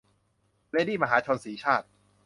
เลดี้มหาชน - สีชาติ